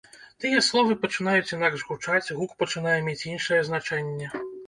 Тыя словы пачынаюць інакш гучаць, гук пачынае мець іншае значэнне.